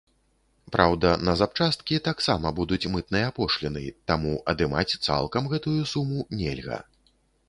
Праўда, на запчасткі таксама будуць мытныя пошліны, таму адымаць цалкам гэтую суму нельга.